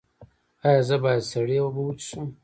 ایا زه باید سړې اوبه وڅښم؟